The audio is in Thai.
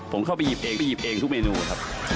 ผมเข้าไปหยิบเองไปหยิบเองทุกเมนูครับ